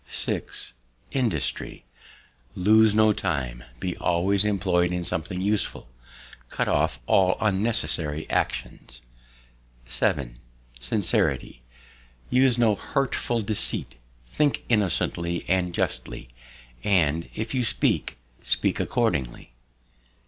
6. INDUSTRY. Lose no time; be always employ'd in something useful; cut off all unnecessary actions. 7. Sincerity. Use no hurtful deceit; think innocently and justly; and, if you speak, speak accordingly.